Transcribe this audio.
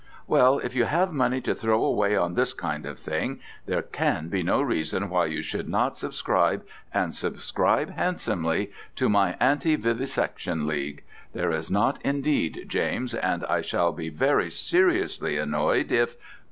Well, if you have money to throw away on this kind of thing, there can be no reason why you should not subscribe and subscribe handsomely to my anti Vivisection League. There is not, indeed, James, and I shall be very seriously annoyed if